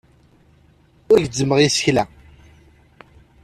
Ur gezzmeɣ isekla.